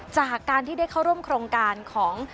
จากการที่ได้เข้าร่วมโครงการของ